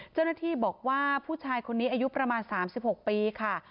เจ้าหน้าที่บอกว่าผู้ชายคนนี้อายุประมาณ๓๖ปีค่ะ